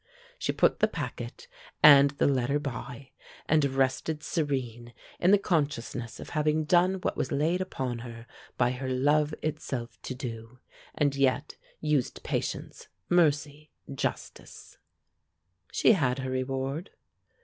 She put the packet and the letter by, and rested serene in the consciousness of having done what was laid upon her by her love itself to do, and yet used patience, mercy, justice. She had her reward.